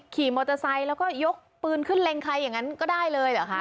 ขี่มอเตอร์ไซค์แล้วก็ยกปืนขึ้นเล็งใครอย่างนั้นก็ได้เลยเหรอคะ